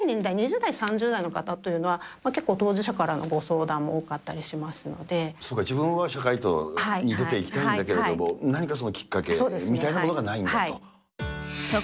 一方で若い年代、２０代、３０代の方というのは、結構、当事者からのご相談も多かそうか、自分は社会に出ていきたいんだけれども、何かそのきっかけみたいなものがないんだと。